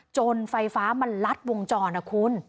จนไฟฟ้ามันลัดวงจรนะคุณ